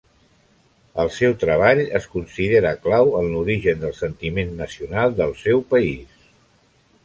El seu treball es considera clau en l'origen del sentiment nacional del seu país.